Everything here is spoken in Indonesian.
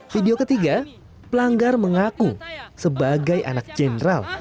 video ketiga pelanggar mengaku sebagai anak jenderal